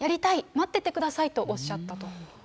待っててくださいとおっしゃったと。